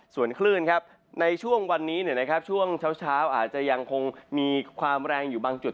ส่วนคลื่นในช่วงวันนี้ช่วงเช้าอาจจะยังคงมีความแรงอยู่บางจุด